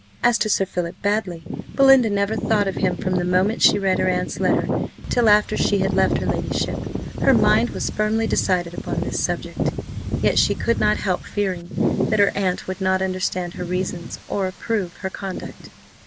As to Sir Philip Baddely, Belinda never thought of him from the moment she read her aunt's letter, till after she had left her ladyship; her mind was firmly decided upon this subject; yet she could not help fearing that her aunt would not understand her reasons, or approve her conduct.